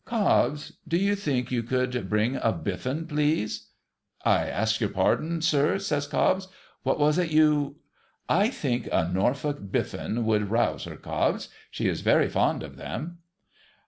Cobbs, do you think you could bring a bitifin, please?' ' I ask your pardon, sir,' says Cobbs. '\\'hat was it you ?'' I think a Norfolk biffin would rouse her, Cobbs. She is very fond of them.'